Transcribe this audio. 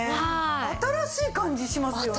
新しい感じしますよね。